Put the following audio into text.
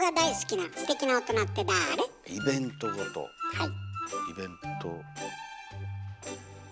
はい。